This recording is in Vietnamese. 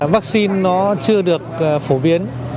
vaccine nó chưa được phổ biến